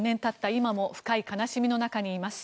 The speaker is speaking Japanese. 今でも深い悲しみの中にいます。